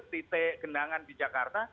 titik kendangan di jakarta